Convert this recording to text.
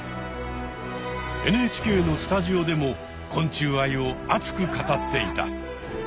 ＮＨＫのスタジオでも昆虫愛を熱く語っていた。